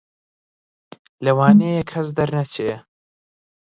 لەوانەیە کەس دەرنەچێ